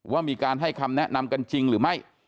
ว่ามีการให้คำแนะนำกันจริงหรือไม่